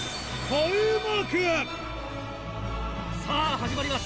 さぁ始まります！